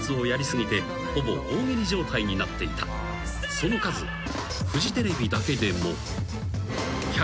［その数フジテレビだけでも］